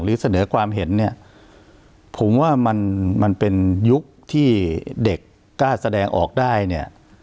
หรือเสนอความเห็นเนี่ยผมว่ามันมันเป็นยุคที่เด็กกล้าแสดงออกได้เนี่ย